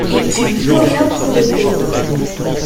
Et puis plus rien pour les pauvres.